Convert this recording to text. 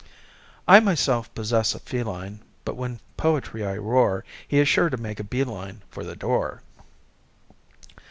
(I myself possess a feline, But when poetry I roar He is sure to make a bee line For the door.)